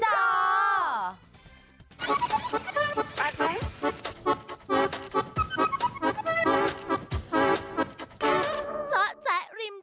เจ้าแจ๊กริมจอ